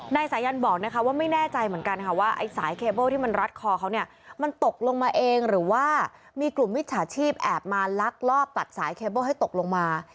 นายสายันบอกนะคะว่าไม่แน่ใจเหมือนกันค่ะว่าไอ้สายเคเบิ้ลที่มันรัดคอเขาเนี่ยมันตกลงมาเองหรือว่ามีกลุ่มมิจฉาชีพแอบมาลักลอบตัดสายเคเบิ้ลให้ตกลงมา